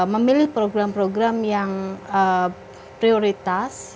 memilih program program yang prioritas